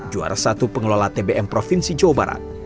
juara satu pengelola tbm provinsi jawa barat